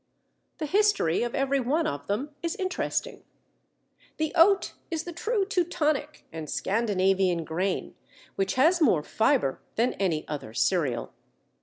The history of every one of them is interesting. The Oat is the true Teutonic and Scandinavian grain, which has more "fibre" than any other cereal.